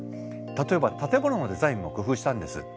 例えば建物のデザインも工夫したんです。